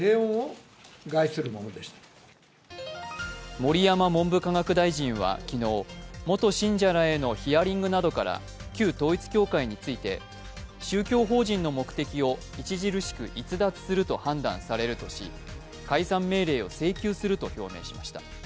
盛山文部科学大臣は昨日、元信者らへのヒアリングなどから旧統一教会について、宗教法人の目的を著しく逸脱すると判断されるとし解散命令を請求すると表明しました。